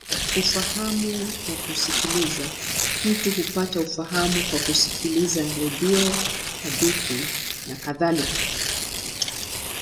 Ufahamu wa kusikiliza: mtu hupata ufahamu kwa kusikiliza redio, hadithi, nakadhalika.